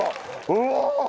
うわ！